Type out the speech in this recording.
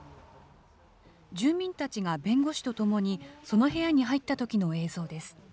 住民たちが弁護士と共に、その部屋に入ったときの映像です。